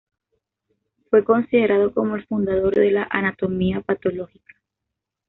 Fue considerado como el fundador de la Anatomía Patológica.